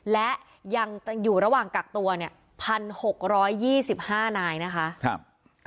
และยังอยู่ระหว่างกักตัวเนี่ยพันหกร้อยยี่สิบห้านายนะคะครับ